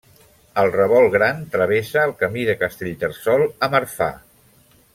Al Revolt Gran travessa el Camí de Castellterçol a Marfà.